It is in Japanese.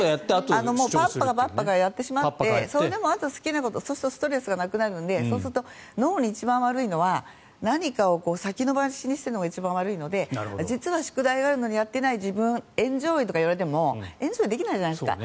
ぱっぱかぱっぱかやってしまってそうするとストレスがなくなるので脳に一番悪いのは何かを先延ばしにしているのが一番悪いので実は宿題があるのにやっていない自分エンジョイといってもエンジョイできないじゃないですか。